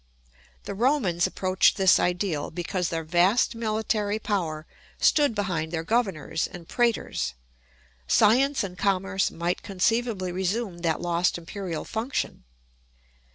The Romans approached this ideal because their vast military power stood behind their governors and prætors. Science and commerce might conceivably resume that lost imperial function.